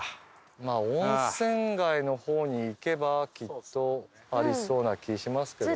まあ温泉街の方に行けばきっとありそうな気しますけどね。